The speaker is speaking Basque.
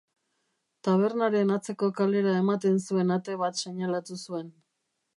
Tabernaren atzeko kalera ematen zuen ate bat seinalatu zuen.